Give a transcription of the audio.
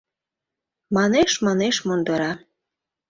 МАНЕШ-МАНЕШ МУНДЫРА